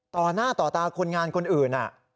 ต่อหน้าต่อตาคนงานคนอื่น